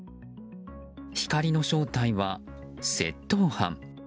光の正体は窃盗犯。